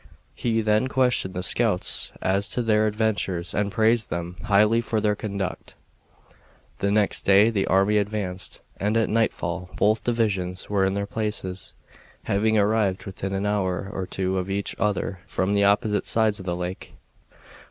He then questioned the scouts as to their adventures and praised them highly for their conduct. The next day the army advanced, and at nightfall both divisions were in their places, having arrived within an hour or two of each other from the opposite sides of the lake.